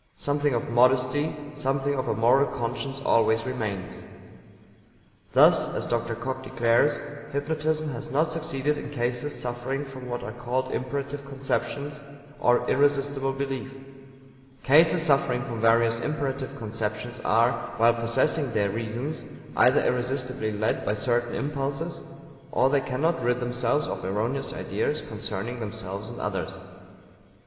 Something of modesty, something of a moral conscience always remains. Thus, as Dr. COCKE declares, Hypnotism has not succeeded in cases suffering from what are called imperative conceptions, or irresistible belief. "Cases suffering from various imperative conceptions are, while possessing their reasons, either irresistibly led by certain impulses or they cannot rid themselves of erroneous ideas concerning themselves and others."